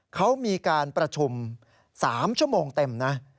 เขามีการประชุม๓ชั่วโมงเต็มนะ